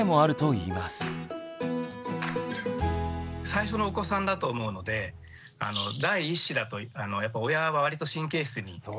最初のお子さんだと思うので第一子だとやっぱ親は割と神経質になるんですね。